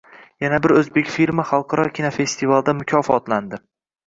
Yana bir o‘zbek filmi xalqaro kinofestivalda mukofotlanding